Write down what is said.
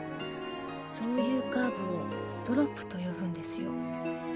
「そういうカーブをドロップと呼ぶんですよ」